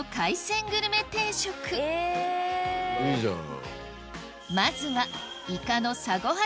いいじゃん。